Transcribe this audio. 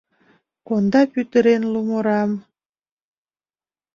Конда пӱтырен лум орам...